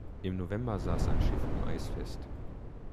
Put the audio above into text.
Im November saß sein Schiff im Eis fest.